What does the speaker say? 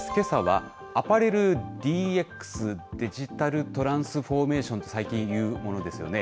けさはアパレルＤＸ・デジタルトランスフォーメーションと最近言うものですよね。